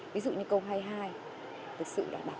ví dụ như câu hai mươi hai thực sự đã đọc